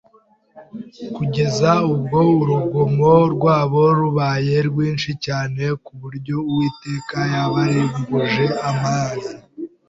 kugeza ubwo urugomo rwabo rubaye rwinshi cyane ku buryo Uwiteka yabarimbuje amazi